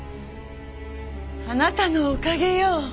あなたのおかげよ。